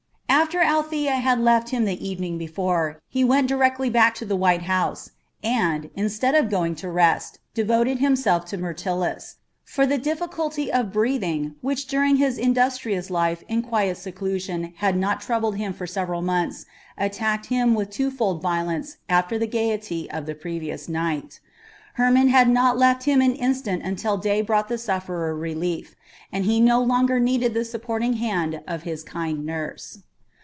After Althea had left him the evening before he went directly back to the white house, and, instead of going to rest, devoted himself to Myrtilus; for the difficulty of breathing, which during his industrious life in quiet seclusion had not troubled him for several months, attacked him with twofold violence after the gaiety of the previous night. Hermon had not left him an instant until day brought the sufferer relief, and he no longer needed the supporting hand of his kind nurse.